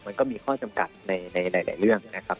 มันก็มีข้อจำกัดในหลายเรื่องนะครับ